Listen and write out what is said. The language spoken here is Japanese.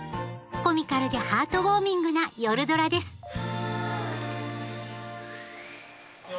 コミカルでハートウォーミングな「夜ドラ」ですよ